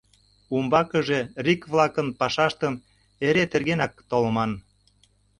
Умбакыже рик-влакын пашаштым эре тергенак толман.